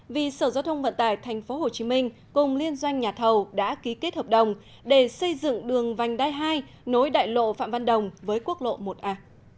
vì sở giao thông vận tải tp hcm cùng liên doanh nhà thầu đã ký kết hợp đồng để xây dựng đường vành đai hai nối đại lộ phạm văn đồng với quốc lộ một a